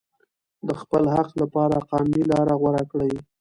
د خپل حق لپاره قانوني لاره غوره کړئ.